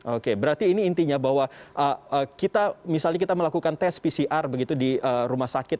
oke berarti ini intinya bahwa kita misalnya kita melakukan tes pcr begitu di rumah sakit